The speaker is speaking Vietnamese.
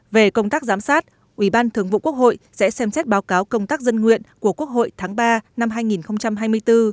về công tác giám sát ủy ban thường vụ quốc hội sẽ xem xét báo cáo công tác dân nguyện của quốc hội tháng ba năm hai nghìn hai mươi bốn